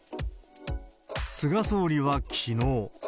菅総理はきのう。